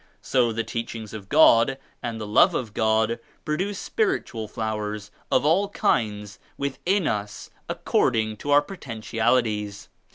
So the Teach ings of God and the Love of God produce spirit ual flowers of all kinds within us according to our potentialities.